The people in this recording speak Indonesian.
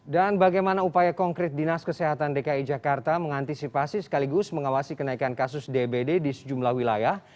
dan bagaimana upaya konkret dinas kesehatan dki jakarta mengantisipasi sekaligus mengawasi kenaikan kasus dbd di sejumlah wilayah